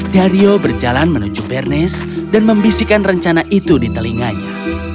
dalio berjalan menuju bernes dan membisikkan rencana itu di telinganya